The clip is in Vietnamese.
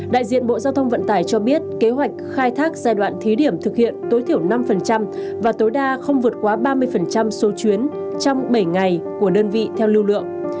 đại diện bộ giao thông vận tải cho biết kế hoạch khai thác giai đoạn thí điểm thực hiện tối thiểu năm và tối đa không vượt quá ba mươi số chuyến trong bảy ngày của đơn vị theo lưu lượng